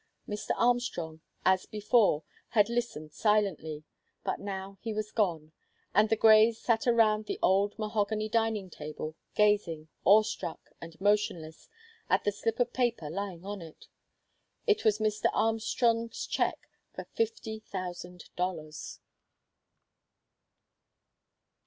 Mr. Armstrong, as before, had listened silently, but now he was gone, and the Greys sat around the old mahogany dining table, gazing, awestruck and motionless at the slip of paper lying on it. It was Mr. Armstrong's check for fifty thousand dollars.